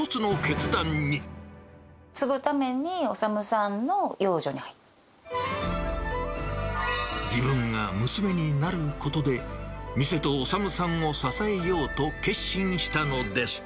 継ぐために修さんの養女に入自分が娘になることで、店と修さんを支えようと決心したのです。